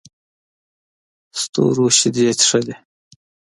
ستورو شیدې چښلې